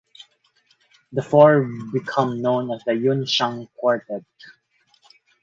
The four become known as the "Yun Shang Quartet".